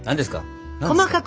何ですか？